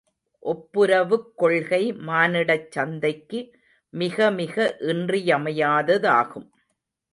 ஒப்புரவுக் கொள்கை மானிடச் சந்தைக்கு மிகமிக இன்றியமையாததாகும்.